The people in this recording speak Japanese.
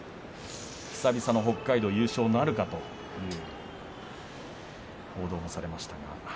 久々の北海道優勝なるかということもいわれました。